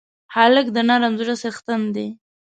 هلک د نرم زړه څښتن دی.